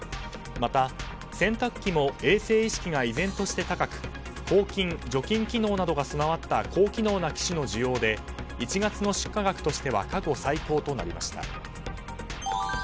また、洗濯機も衛生意識が依然として高く抗菌・除菌機能などが備わった高機能な機種の需要で１月の出荷額としては過去最高となりました。